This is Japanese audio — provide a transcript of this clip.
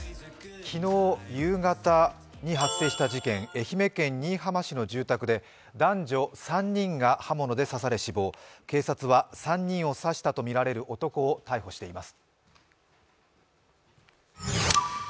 昨日夕方に発生した事件、愛媛県新居浜市の住宅で男女３人が刃物で刺され死亡、警察は３人を刺したとみられる男を逮捕しています。